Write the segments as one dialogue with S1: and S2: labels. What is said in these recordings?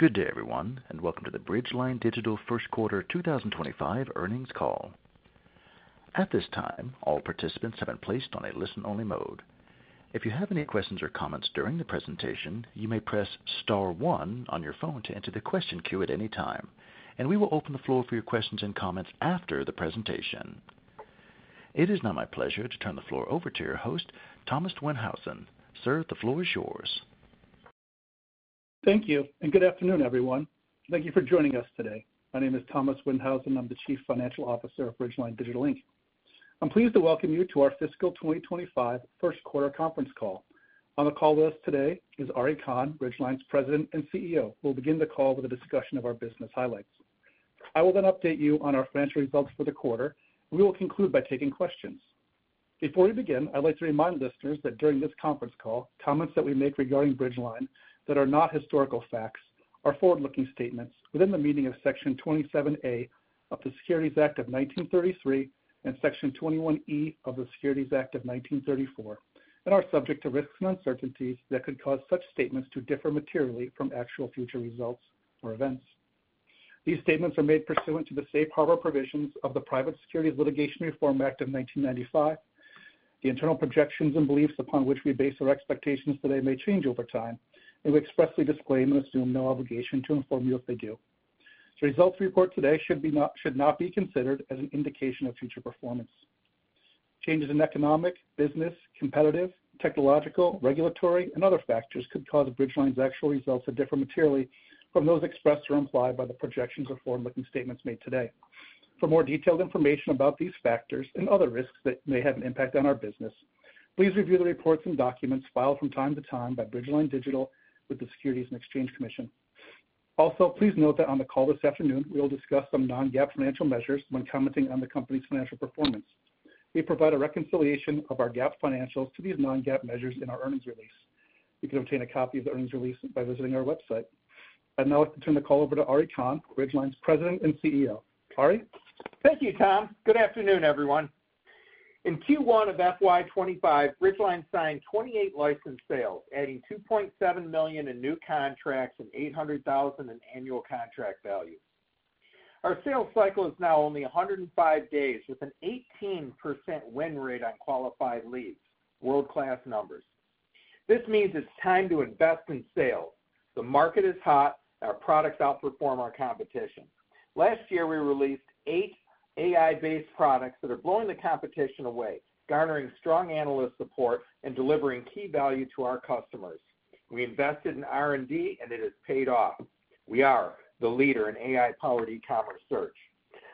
S1: Good day, everyone, and welcome to the Bridgeline Digital first quarter 2025 earnings call. At this time, all participants have been placed on a listen-only mode. If you have any questions or comments during the presentation, you may press star one on your phone to enter the question queue at any time, and we will open the floor for your questions and comments after the presentation. It is now my pleasure to turn the floor over to your host, Thomas Windhausen. Sir, the floor is yours.
S2: Thank you, and good afternoon, everyone. Thank you for joining us today. My name is Thomas Windhausen. I'm the Chief Financial Officer of Bridgeline Digital. I'm pleased to welcome you to our fiscal 2025 first quarter conference call. On the call with us today is Ari Kahn, Bridgeline's President and CEO, who will begin the call with a discussion of our business highlights. I will then update you on our financial results for the quarter, and we will conclude by taking questions. Before we begin, I'd like to remind listeners that during this conference call, comments that we make regarding Bridgeline that are not historical facts are forward-looking statements within the meaning of Section 27A of the Securities Act of 1933 and Section 21E of the Securities Act of 1934, and are subject to risks and uncertainties that could cause such statements to differ materially from actual future results or events. These statements are made pursuant to the safe harbor provisions of the Private Securities Litigation Reform Act of 1995. The internal projections and beliefs upon which we base our expectations today may change over time, and we expressly disclaim and assume no obligation to inform you if they do. The results we report today should not be considered as an indication of future performance. Changes in economic, business, competitive, technological, regulatory, and other factors could cause Bridgeline's actual results to differ materially from those expressed or implied by the projections or forward-looking statements made today. For more detailed information about these factors and other risks that may have an impact on our business, please review the reports and documents filed from time to time by Bridgeline Digital with the Securities and Exchange Commission. Also, please note that on the call this afternoon, we will discuss some non-GAAP financial measures when commenting on the company's financial performance. We provide a reconciliation of our GAAP financials to these non-GAAP measures in our earnings release. You can obtain a copy of the earnings release by visiting our website. I'd now like to turn the call over to Ari Kahn, Bridgeline's President and CEO. Ari.
S3: Thank you, Tom. Good afternoon, everyone. In Q1 of FY 2025, Bridgeline signed 28 license sales, adding $2.7 million in new contracts and $800,000 in annual contract value. Our sales cycle is now only 105 days, with an 18% win rate on qualified leads. World-class numbers. This means it's time to invest in sales. The market is hot, and our products outperform our competition. Last year, we released eight AI-based products that are blowing the competition away, garnering strong analyst support and delivering key value to our customers. We invested in R&D, and it has paid off. We are the leader in AI-powered e-commerce search.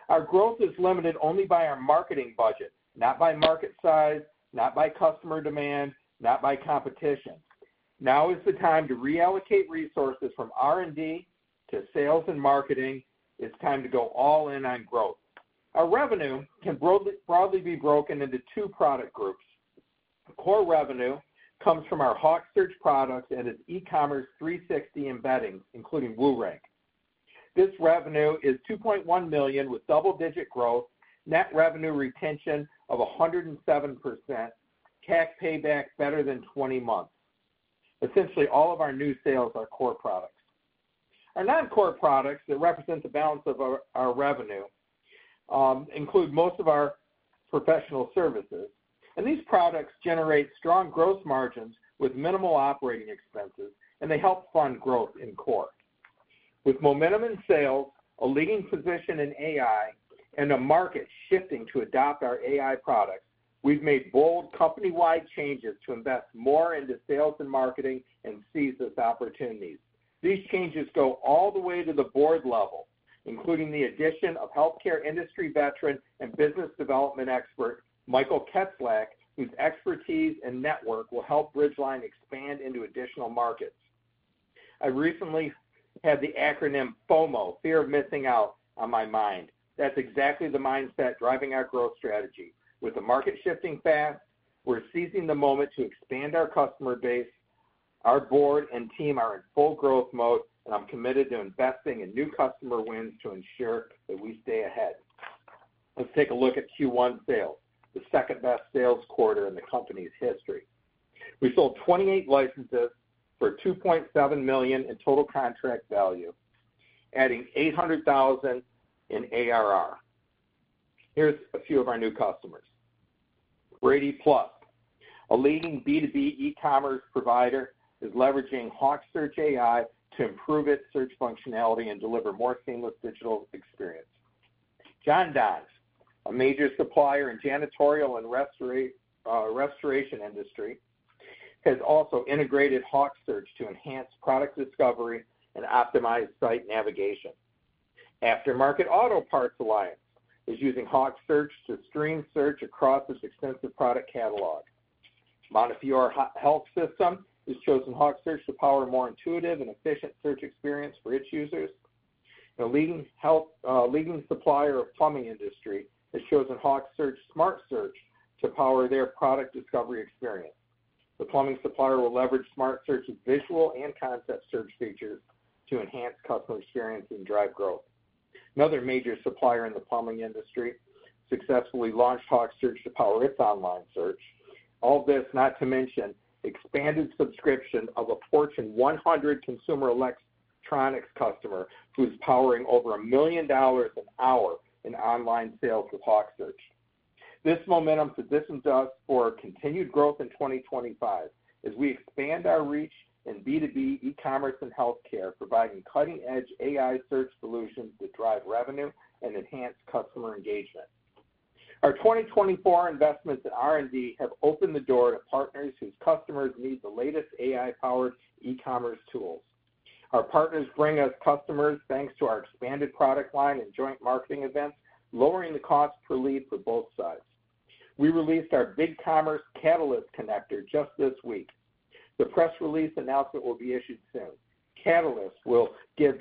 S3: Our growth is limited only by our marketing budget, not by market size, not by customer demand, not by competition. Now is the time to reallocate resources from R&D to sales and marketing. It's time to go all in on growth. Our revenue can broadly be broken into two product groups. Core revenue comes from our HawkSearch products and its eCommerce 360 embeddings, including WooRank. This revenue is $2.1 million with double-digit growth, net revenue retention of 107%, CAC payback better than 20 months. Essentially, all of our new sales are core products. Our non-core products that represent the balance of our revenue include most of our professional services, and these products generate strong gross margins with minimal operating expenses, and they help fund growth in core. With momentum in sales, a leading position in AI, and a market shifting to adopt our AI products, we've made bold company-wide changes to invest more into sales and marketing and seize this opportunity. These changes go all the way to the board level, including the addition of healthcare industry veteran and business development expert Michael Ketzler, whose expertise and network will help Bridgeline expand into additional markets. I recently had the acronym FOMO, fear of missing out, on my mind. That's exactly the mindset driving our growth strategy. With the market shifting fast, we're seizing the moment to expand our customer base. Our board and team are in full growth mode, and I'm committed to investing in new customer wins to ensure that we stay ahead. Let's take a look at Q1 sales, the second-best sales quarter in the company's history. We sold 28 licenses for $2.7 million in total contract value, adding $800,000 in ARR. Here's a few of our new customers. BradyPLUS, a leading B2B e-commerce provider, is leveraging HawkSearch AI to improve its search functionality and deliver a more seamless digital experience. Jon-Don, a major supplier in the janitorial and restoration industry, has also integrated HawkSearch to enhance product discovery and optimize site navigation. Aftermarket Auto Parts Alliance is using HawkSearch to streamline search across its extensive product catalog. Montefiore Health System has chosen HawkSearch to power a more intuitive and efficient search experience for its users. A leading supplier in the plumbing industry has chosen HawkSearch Smart Search to power their product discovery experience. The plumbing supplier will leverage Smart Search's visual and concept search features to enhance customer experience and drive growth. Another major supplier in the plumbing industry successfully launched HawkSearch to power its online search. All this, not to mention the expanded subscription of a Fortune 100 consumer electronics customer who is powering over $1 million an hour in online sales with HawkSearch. This momentum positions us for continued growth in 2025 as we expand our reach in B2B e-commerce and healthcare, providing cutting-edge AI search solutions that drive revenue and enhance customer engagement. Our 2024 investments in R&D have opened the door to partners whose customers need the latest AI-powered e-commerce tools. Our partners bring us customers thanks to our expanded product line and joint marketing events, lowering the cost per lead for both sides. We released our BigCommerce Catalyst Connector just this week. The press release announcement will be issued soon. Catalyst will give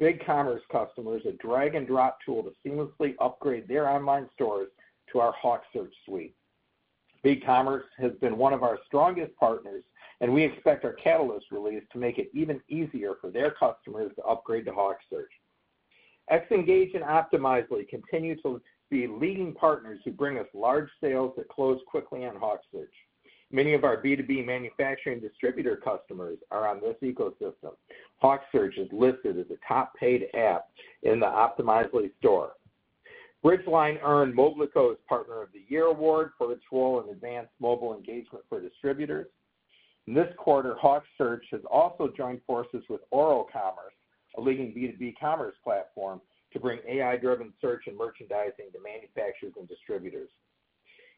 S3: BigCommerce customers a drag-and-drop tool to seamlessly upgrade their online stores to our HawkSearch suite. BigCommerce has been one of our strongest partners, and we expect our Catalyst release to make it even easier for their customers to upgrade to HawkSearch. Xngage and Optimizely continue to be leading partners who bring us large sales that close quickly on HawkSearch. Many of our B2B manufacturing distributor customers are on this ecosystem. HawkSearch is listed as a top-paid app in the Optimizely store. Bridgeline earned Moblico's Partner of the Year award for its role in advanced mobile engagement for distributors. This quarter, HawkSearch has also joined forces with OroCommerce, a leading B2B commerce platform, to bring AI-driven search and merchandising to manufacturers and distributors.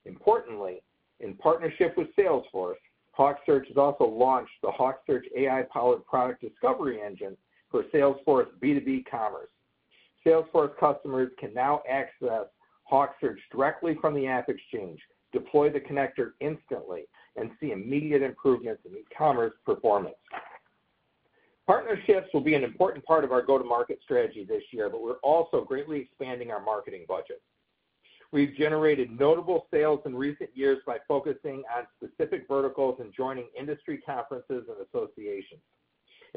S3: Importantly, in partnership with Salesforce, HawkSearch has also launched the HawkSearch AI-powered product discovery engine for Salesforce B2B Commerce. Salesforce customers can now access HawkSearch directly from the AppExchange, deploy the connector instantly, and see immediate improvements in e-commerce performance. Partnerships will be an important part of our go-to-market strategy this year, but we're also greatly expanding our marketing budget. We've generated notable sales in recent years by focusing on specific verticals and joining industry conferences and associations.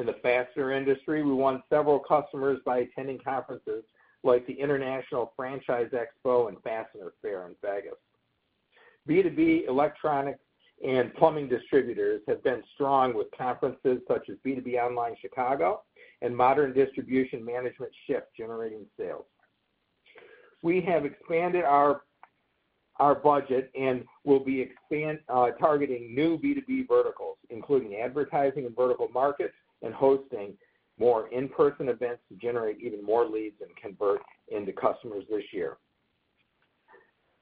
S3: In the fastener industry, we won several customers by attending conferences like the International Franchise Expo and Fastener Fair in Las Vegas. B2B electronics and plumbing distributors have been strong with conferences such as B2B Online Chicago and Modern Distribution Management Shift generating sales. We have expanded our budget and will be targeting new B2B verticals, including advertising in vertical markets and hosting more in-person events to generate even more leads and convert into customers this year.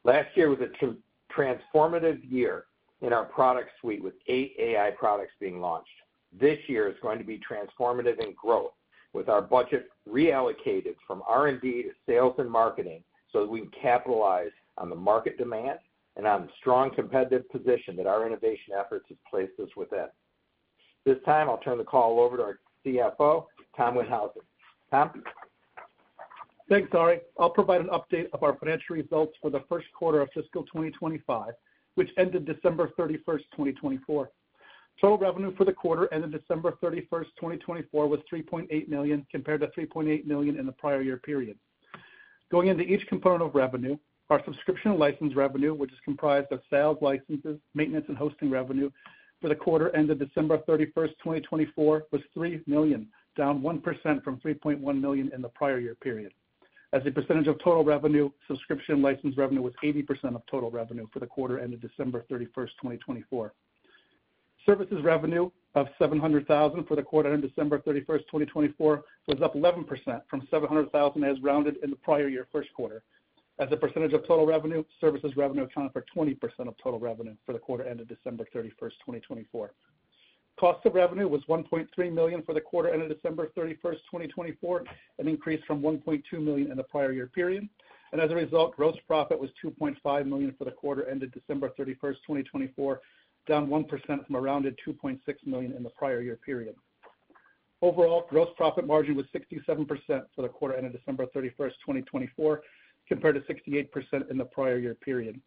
S3: Last year was a transformative year in our product suite with eight AI products being launched. This year is going to be transformative in growth with our budget reallocated from R&D to sales and marketing so that we can capitalize on the market demand and on the strong competitive position that our innovation efforts have placed us within. This time, I'll turn the call over to our CFO, Thomas Windhausen. Tom.
S2: Thanks, Ari. I'll provide an update of our financial results for the first quarter of fiscal 2025, which ended December 31, 2024. Total revenue for the quarter ended December 31, 2024, was $3.8 million compared to $3.8 million in the prior year period. Going into each component of revenue, our subscription license revenue, which is comprised of sales, licenses, maintenance, and hosting revenue for the quarter ended December 31, 2024, was $3 million, down 1% from $3.1 million in the prior year period. As a percentage of total revenue, subscription license revenue was 80% of total revenue for the quarter ended December 31, 2024. Services revenue of $700,000 for the quarter ended December 31, 2024, was up 11% from $700,000 as rounded in the prior year first quarter. As a percentage of total revenue, services revenue accounted for 20% of total revenue for the quarter ended December 31, 2024. Cost of revenue was $1.3 million for the quarter ended December 31, 2024, an increase from $1.2 million in the prior year period. As a result, gross profit was $2.5 million for the quarter ended December 31, 2024, down 1% from around $2.6 million in the prior year period. Overall, gross profit margin was 67% for the quarter ended December 31, 2024, compared to 68% in the prior year period.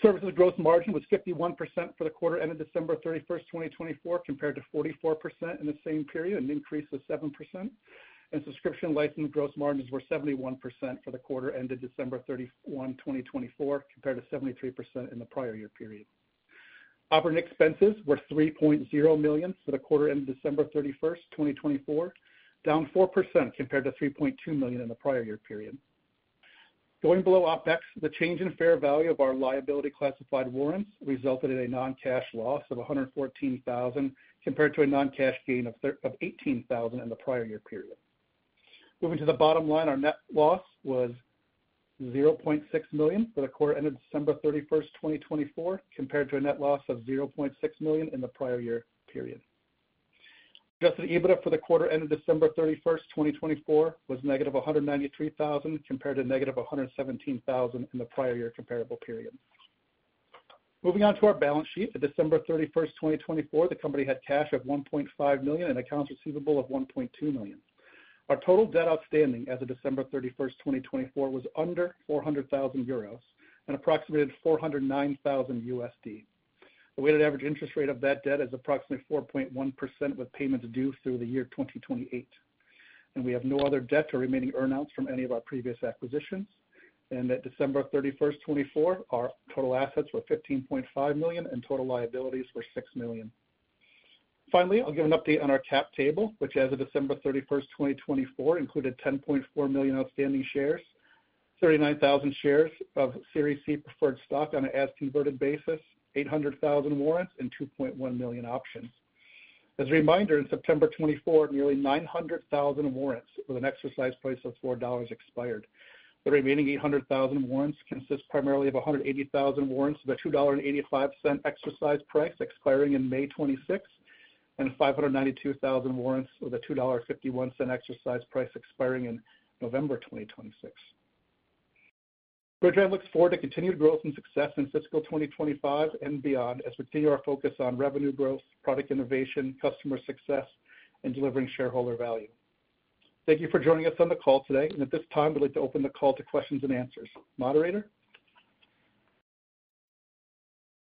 S2: Services gross margin was 51% for the quarter ended December 31, 2024, compared to 44% in the same period, an increase of 7%. Subscription license gross margins were 71% for the quarter ended December 31, 2024, compared to 73% in the prior year period. Operating expenses were $3.0 million for the quarter ended December 31, 2024, down 4% compared to $3.2 million in the prior year period. Going below OpEx, the change in fair value of our liability classified warrants resulted in a non-cash loss of $114,000 compared to a non-cash gain of $18,000 in the prior year period. Moving to the bottom line, our net loss was $0.6 million for the quarter ended December 31, 2024, compared to a net loss of $0.6 million in the prior year period. Adjusted EBITDA for the quarter ended December 31, 2024, was -$193,000 compared to - $117,000 in the prior year comparable period. Moving on to our balance sheet, on December 31, 2024, the company had cash of $1.5 million and accounts receivable of $1.2 million. Our total debt outstanding as of December 31, 2024, was under 400,000 euros and approximated $409,000. The weighted average interest rate of that debt is approximately 4.1% with payments due through the year 2028. We have no other debt or remaining earnouts from any of our previous acquisitions. At December 31, 2024, our total assets were $15.5 million and total liabilities were $6 million. Finally, I'll give an update on our cap table, which as of December 31, 2024, included 10.4 million outstanding shares, 39,000 shares of Series C preferred stock on an as-converted basis, 800,000 warrants, and 2.1 million options. As a reminder, in September 2024, nearly 900,000 warrants with an exercise price of $4 expired. The remaining 800,000 warrants consist primarily of 180,000 warrants with a $2.85 exercise price expiring in May 2026 and 592,000 warrants with a $2.51 exercise price expiring in November 2026. Bridgeline looks forward to continued growth and success in fiscal 2025 and beyond as we continue our focus on revenue growth, product innovation, customer success, and delivering shareholder value. Thank you for joining us on the call today. At this time, we'd like to open the call to questions and answers. Moderator?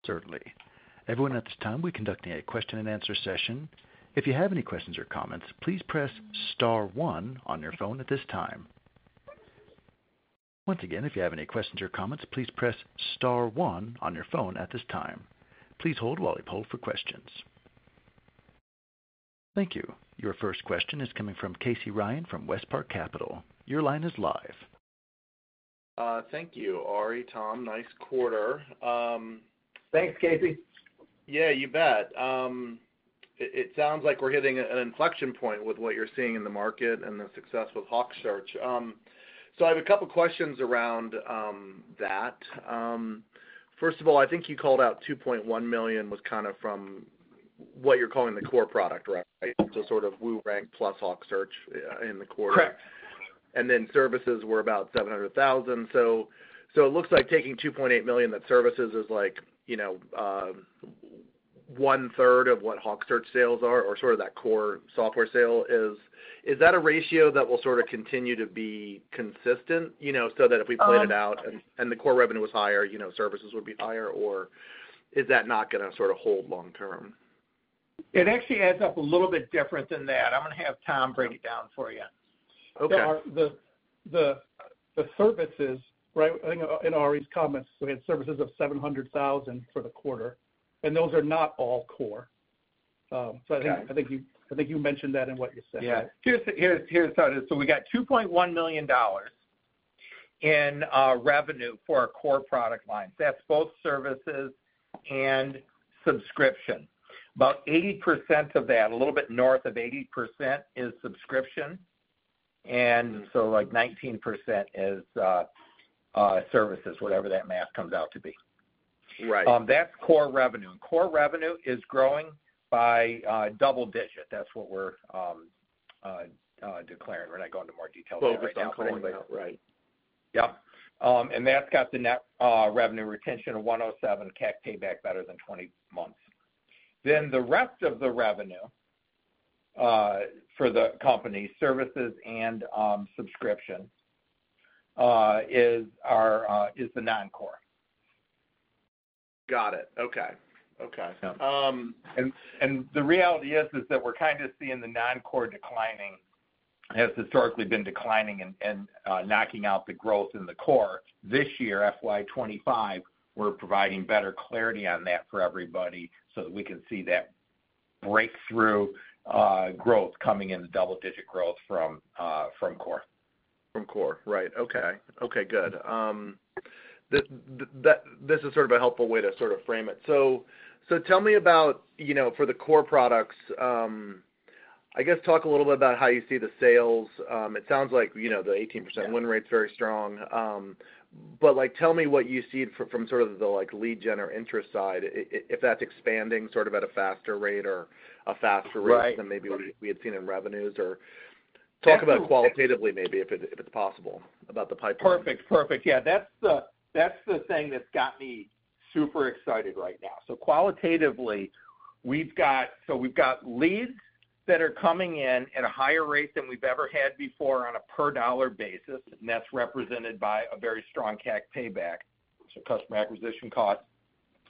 S1: Certainly. Everyone, at this time, we're conducting a question and answer session. If you have any questions or comments, please press star one on your phone at this time. Once again, if you have any questions or comments, please press star one on your phone at this time. Please hold while we poll for questions. Thank you. Your first question is coming from Casey Ryan from WestPark Capital. Your line is live.
S4: Thank you, Ari, Tom. Nice quarter.
S3: Thanks, Casey.
S4: Yeah, you bet. It sounds like we're hitting an inflection point with what you're seeing in the market and the success with HawkSearch. I have a couple of questions around that. First of all, I think you called out $2.1 million was kind of from what you're calling the core product, right? Sort of WooRank plus HawkSearch in the quarter.
S3: Correct.
S4: Services were about $700,000. It looks like taking $2.8 million, that services is like 1/3 of what HawkSearch sales are or sort of that core software sale. Is that a ratio that will sort of continue to be consistent so that if we played it out and the core revenue was higher, services would be higher, or is that not going to sort of hold long-term?
S3: It actually adds up a little bit different than that. I'm going to have Tom break it down for you.
S2: Okay. The services, right, in Ari's comments, we had services of $700,000 for the quarter. Those are not all core. I think you mentioned that in what you said.
S3: Yeah.
S2: Here's how it is. We got $2.1 million in revenue for our core product line. That's both services and subscription. About 80% of that, a little bit north of 80%, is subscription. Like 19% is services, whatever that math comes out to be. That's core revenue. Core revenue is growing by double digit. That's what we're declaring. We're not going into more detail.
S3: Fully declaring that, right?
S2: Yep. That's got the net revenue retention of 107%, CAC payback better than 20 months. The rest of the revenue for the company, services and subscription, is the non-core.
S4: Got it. Okay. Okay.
S3: The reality is that we're kind of seeing the non-core declining. It has historically been declining and knocking out the growth in the core. This year, FY 2025, we're providing better clarity on that for everybody so that we can see that breakthrough growth coming in, the double-digit growth from core.
S4: From core. Right. Okay. Good. This is sort of a helpful way to sort of frame it. So tell me about for the core products, I guess talk a little bit about how you see the sales. It sounds like the 18% win rate is very strong. Tell me what you see from sort of the lead gen or interest side, if that's expanding sort of at a faster rate or a faster rate than maybe we had seen in revenues. Or talk about qualitatively, maybe, if it's possible, about the pipeline.
S3: Perfect. Perfect. Yeah. That's the thing that's got me super excited right now. Qualitatively, we've got leads that are coming in at a higher rate than we've ever had before on a per-dollar basis. That's represented by a very strong CAC payback. Customer acquisition costs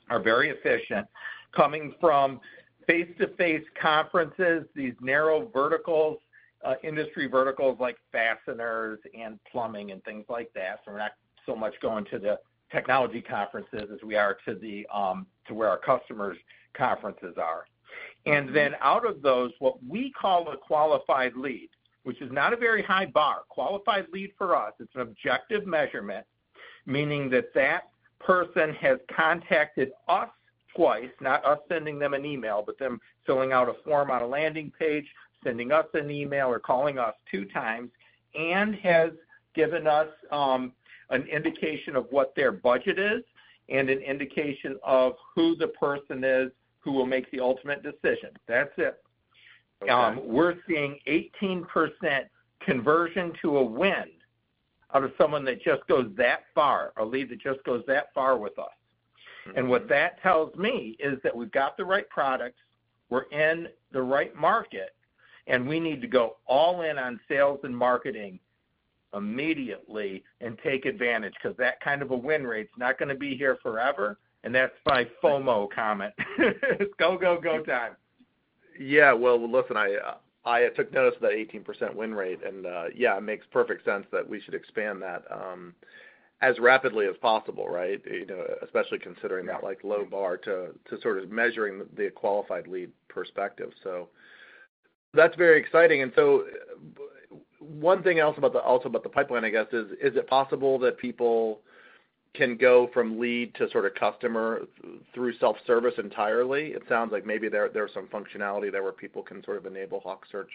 S3: are very efficient coming from face-to-face conferences, these narrow verticals, industry verticals like fasteners and plumbing and things like that. We're not so much going to the technology conferences as we are to where our customers' conferences are. Out of those, what we call a qualified lead, which is not a very high bar, qualified lead for us, it's an objective measurement, meaning that that person has contacted us twice, not us sending them an email, but them filling out a form on a landing page, sending us an email, or calling us two times, and has given us an indication of what their budget is and an indication of who the person is who will make the ultimate decision. That's it. We're seeing 18% conversion to a win out of someone that just goes that far or a lead that just goes that far with us. What that tells me is that we've got the right products, we're in the right market, and we need to go all in on sales and marketing immediately and take advantage because that kind of a win rate is not going to be here forever. That's my FOMO comment. It's go, go, go time.
S4: Yeah. Listen, I took notice of that 18% win rate. Yeah, it makes perfect sense that we should expand that as rapidly as possible, right, especially considering that low bar to sort of measuring the qualified lead perspective. That is very exciting. One thing else about the pipeline, I guess, is is it possible that people can go from lead to sort of customer through self-service entirely? It sounds like maybe there is some functionality there where people can sort of enable HawkSearch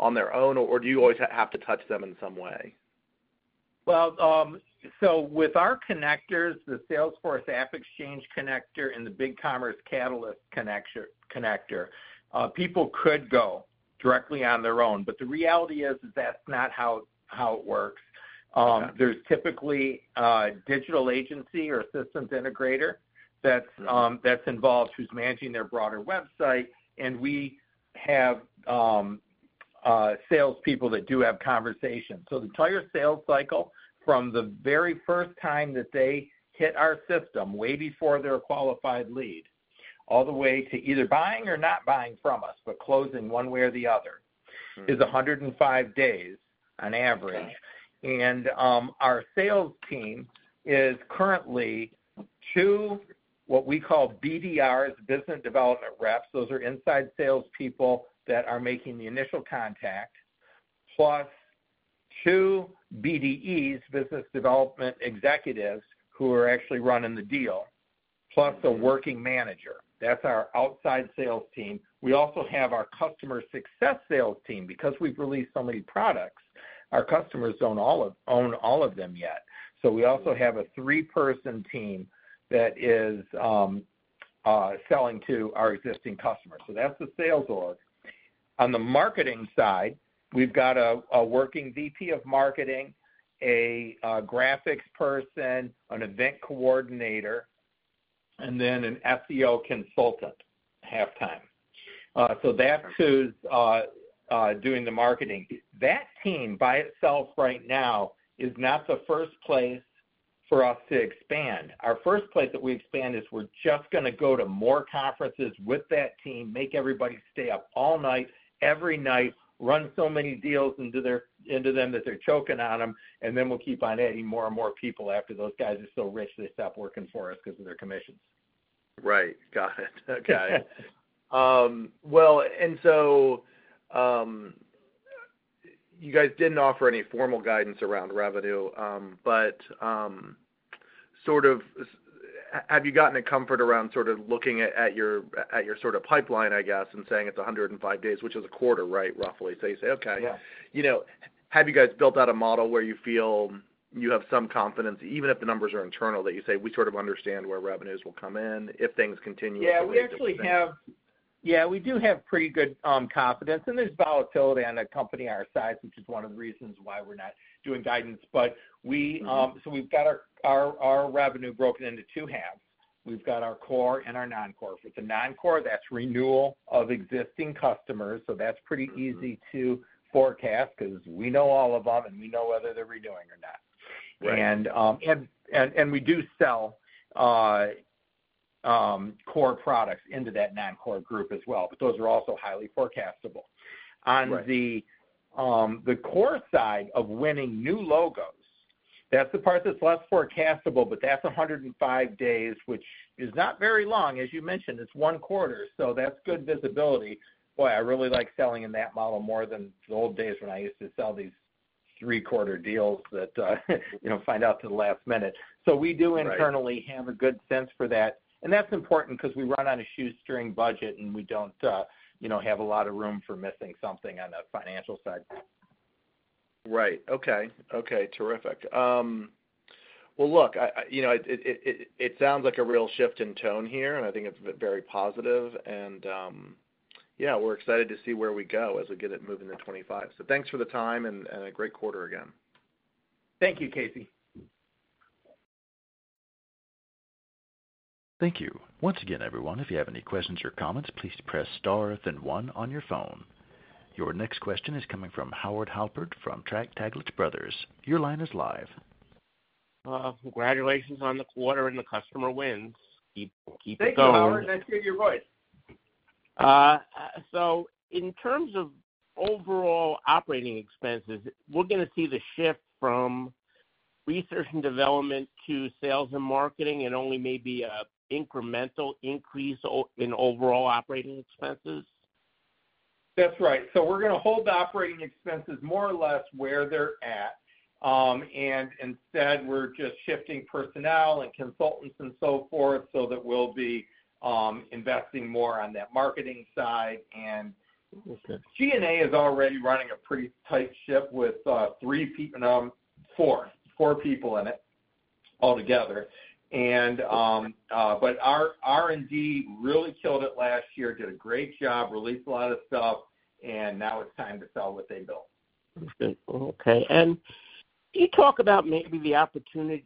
S4: on their own, or do you always have to touch them in some way?
S3: With our connectors, the Salesforce AppExchange connector and the BigCommerce Catalyst connector, people could go directly on their own. The reality is that's not how it works. There's typically a digital agency or systems integrator that's involved who's managing their broader website. We have salespeople that do have conversations. The entire sales cycle from the very first time that they hit our system, way before they're a qualified lead, all the way to either buying or not buying from us, but closing one way or the other, is 105 days on average. Our sales team is currently two what we call BDRs, business development reps. Those are inside salespeople that are making the initial contact, plus two BDEs, business development executives who are actually running the deal, plus a working manager. That's our outside sales team. We also have our customer success sales team. Because we've released so many products, our customers don't own all of them yet. We also have a three-person team that is selling to our existing customers. That is the sales org. On the marketing side, we've got a working VP of Marketing, a graphics person, an event coordinator, and then an SEO consultant halftime. That is who's doing the marketing. That team by itself right now is not the first place for us to expand. Our first place that we expand is we're just going to go to more conferences with that team, make everybody stay up all night, every night, run so many deals into them that they're choking on them, and then we'll keep on adding more and more people after those guys are so rich they stop working for us because of their commissions.
S4: Right. Got it. Okay. You guys didn't offer any formal guidance around revenue, but sort of have you gotten a comfort around sort of looking at your sort of pipeline, I guess, and saying it's 105 days, which is a quarter, right, roughly? You say, "Okay." Have you guys built out a model where you feel you have some confidence, even if the numbers are internal, that you say, "We sort of understand where revenues will come in if things continue to continue?
S3: Yeah. We actually have, yeah, we do have pretty good confidence. There is volatility on a company our size, which is one of the reasons why we're not doing guidance. We have our revenue broken into two halves. We have our core and our non-core. With the non-core, that's renewal of existing customers. That's pretty easy to forecast because we know all of them and we know whether they're renewing or not. We do sell core products into that non-core group as well. Those are also highly forecastable. On the core side of winning new logos, that's the part that's less forecastable, but that's 105 days, which is not very long. As you mentioned, it's one quarter. That's good visibility. Boy, I really like selling in that model more than the old days when I used to sell these three-quarter deals that find out to the last minute. We do internally have a good sense for that. That's important because we run on a shoestring budget and we don't have a lot of room for missing something on the financial side.
S4: Right. Okay. Okay. Terrific. Look, it sounds like a real shift in tone here, and I think it's very positive. Yeah, we're excited to see where we go as we get it moving to 2025. Thanks for the time and a great quarter again.
S3: Thank you, Casey.
S1: Thank you. Once again, everyone, if you have any questions or comments, please press Star then 1 on your phone. Your next question is coming from Howard Halpern from Taglich Brothers. Your line is live.
S5: Congratulations on the quarter and the customer wins. Keep it going.
S3: Thank you, Howard. Nice to hear your voice.
S5: In terms of overall operating expenses, we're going to see the shift from research and development to sales and marketing and only maybe an incremental increase in overall operating expenses.
S3: That's right. We're going to hold the operating expenses more or less where they're at. Instead, we're just shifting personnel and consultants and so forth so that we'll be investing more on that marketing side. G&A is already running a pretty tight ship with four people in it altogether. R&D really killed it last year, did a great job, released a lot of stuff, and now it's time to sell what they built.
S5: Okay. Can you talk about maybe the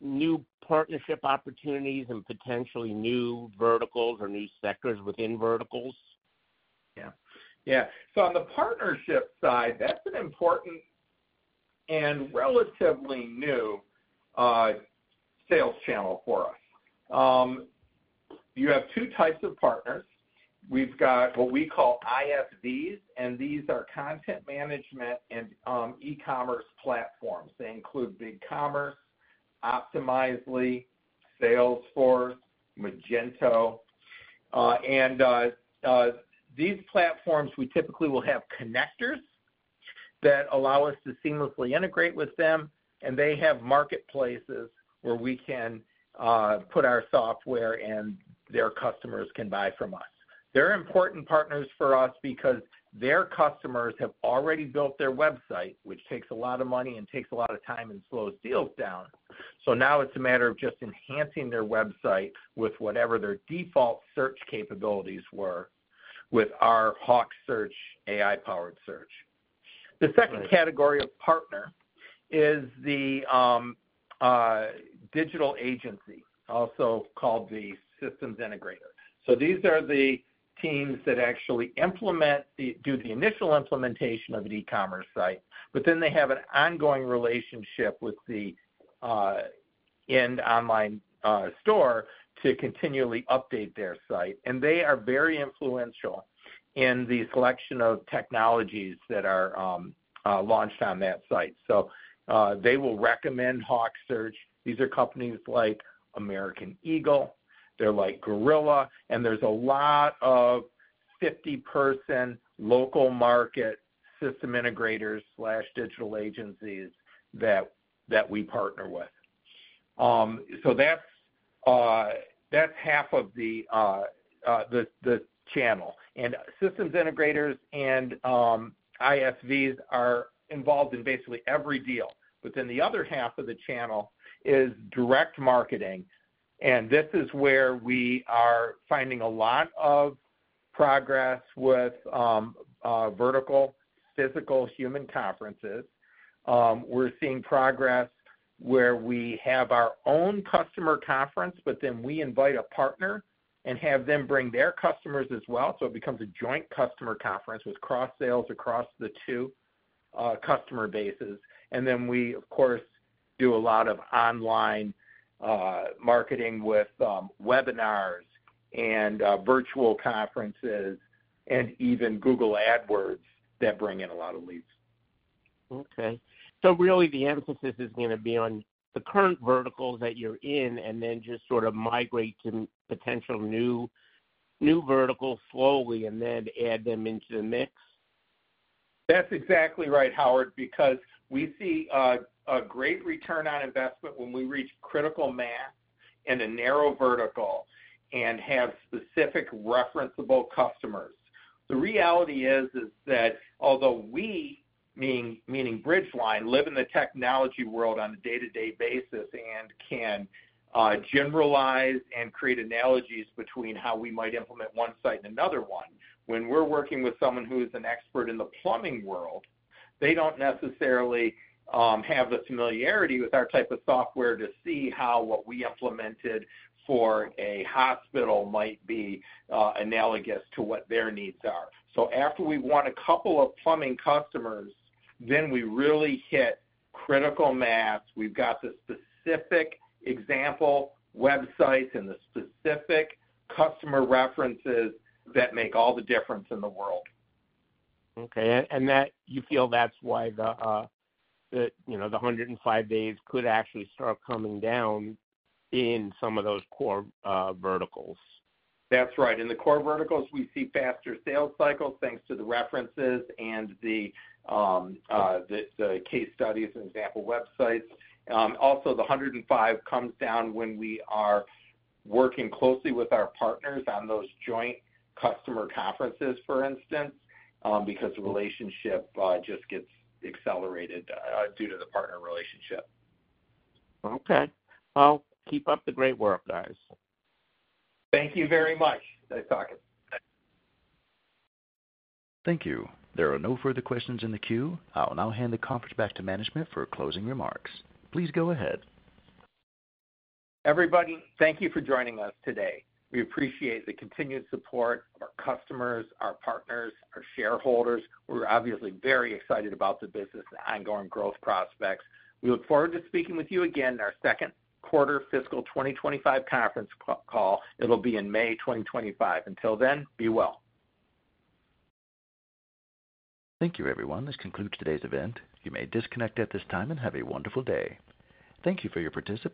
S5: new partnership opportunities and potentially new verticals or new sectors within verticals?
S3: Yeah. Yeah. On the partnership side, that's an important and relatively new sales channel for us. You have two types of partners. We've got what we call ISVs, and these are content management and e-commerce platforms. They include BigCommerce, Optimizely, Salesforce, Magento. These platforms, we typically will have connectors that allow us to seamlessly integrate with them. They have marketplaces where we can put our software and their customers can buy from us. They're important partners for us because their customers have already built their website, which takes a lot of money and takes a lot of time and slows deals down. Now it's a matter of just enhancing their website with whatever their default search capabilities were with our HawkSearch AI-powered search. The second category of partner is the digital agency, also called the systems integrator. These are the teams that actually do the initial implementation of an e-commerce site. They have an ongoing relationship with the end online store to continually update their site. They are very influential in the selection of technologies that are launched on that site. They will recommend HawkSearch. These are companies like American Eagle. They're like Gorilla. There are a lot of 50-person local market system integrators/digital agencies that we partner with. That's half of the channel. Systems integrators and ISVs are involved in basically every deal. The other half of the channel is direct marketing. This is where we are finding a lot of progress with vertical, physical, human conferences. We're seeing progress where we have our own customer conference, but then we invite a partner and have them bring their customers as well. It becomes a joint customer conference with cross-sales across the two customer bases. We, of course, do a lot of online marketing with webinars and virtual conferences and even Google AdWords that bring in a lot of leads.
S5: Okay. So really, the emphasis is going to be on the current verticals that you're in and then just sort of migrate to potential new verticals slowly and then add them into the mix?
S3: That's exactly right, Howard, because we see a great return on investment when we reach critical mass in a narrow vertical and have specific referenceable customers. The reality is that although we, meaning Bridgeline, live in the technology world on a day-to-day basis and can generalize and create analogies between how we might implement one site and another one, when we're working with someone who is an expert in the plumbing world, they don't necessarily have the familiarity with our type of software to see how what we implemented for a hospital might be analogous to what their needs are. After we want a couple of plumbing customers, then we really hit critical mass. We've got the specific example websites and the specific customer references that make all the difference in the world.
S5: Okay. You feel that's why the 105 days could actually start coming down in some of those core verticals?
S3: That's right. In the core verticals, we see faster sales cycles thanks to the references and the case studies and example websites. Also, the 105 comes down when we are working closely with our partners on those joint customer conferences, for instance, because the relationship just gets accelerated due to the partner relationship.
S5: Okay. Keep up the great work, guys.
S3: Thank you very much. Nice talking.
S1: Thank you. There are no further questions in the queue. I'll now hand the conference back to management for closing remarks. Please go ahead.
S3: Everybody, thank you for joining us today. We appreciate the continued support of our customers, our partners, our shareholders. We're obviously very excited about the business and ongoing growth prospects. We look forward to speaking with you again in our second quarter fiscal 2025 conference call. It'll be in May 2025. Until then, be well.
S1: Thank you, everyone. This concludes today's event. You may disconnect at this time and have a wonderful day. Thank you for your participation.